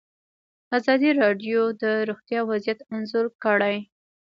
ازادي راډیو د روغتیا وضعیت انځور کړی.